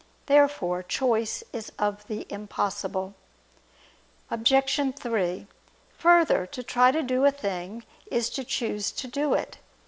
Therefore choice is of the impossible. Obj. 3: Further, to try to do a thing is to choose to do it.